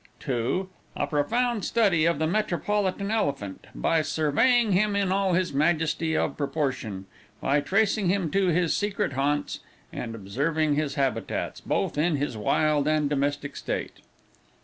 2. A profound study of the Metropolitan Elephant, by surveying him in all his majesty of proportion, by tracing him to his secret haunts, and observing his habits, both in his wild and domestic state.